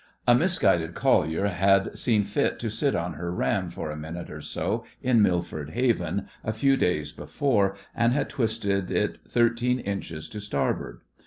A misguided collier had seen fit to sit on her ram for a minute or so in Milford Haven, a few days before, and had twisted it thirteen inches to starboard.